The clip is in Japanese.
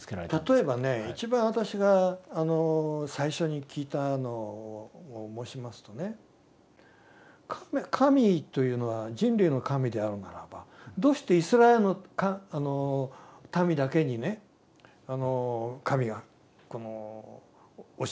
例えばね一番私が最初に聞いたのを申しますとね神というのは人類の神であるならばどうしてイスラエルの民だけにね神が教えを垂れたのか。